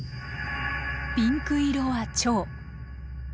ピンク色は腸。